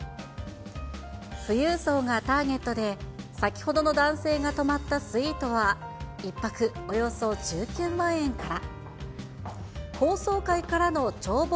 富裕層がターゲットで、先ほどの男性が泊まったスイートは１泊およそ１９万円から。